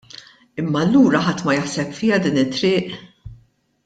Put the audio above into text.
Imma allura ħadd ma jaħseb fiha din it-triq?